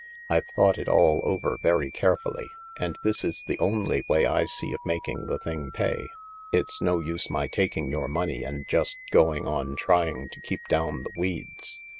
I've thought it all over very carefully, and this is the only way I see of making the thing pay. It's no use my taking your money and just going on trying to keep down the weeds.